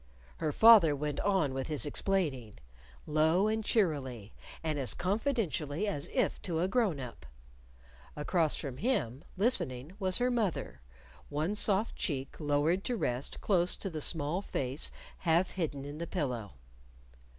Her father went on with his explaining, low and cheerily, and as confidentially as if to a grown up. Across from him, listening, was her mother, one soft cheek lowered to rest close to the small face half hidden in the pillow.